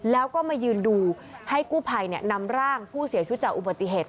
แล้วก็มายืนดูให้กู้ภัยนำร่างผู้เสียชีวิตจากอุบัติเหตุ